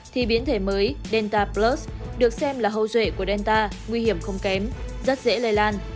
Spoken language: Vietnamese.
thì biến thể mới denta plus được xem là hâu rễ của denta nguy hiểm không kém rất dễ lây lan